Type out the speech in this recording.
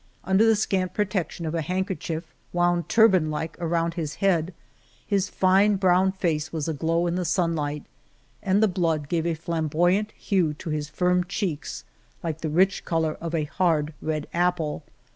Under the scant protection of a handkerchief, wound turban like around his head, his fine brown face was aglow in the sunlight, and the blood gave a flamboy ant hue to his firm cheeks like the rich color of a hard red apple.